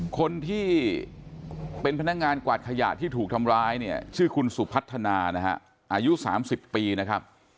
คนที่เป็นพนักงานกวาดขยะที่ถูกทำร้ายเนี่ยชื่อคุณสุพัฒนานะฮะอายุ๓๐ปีนะครับ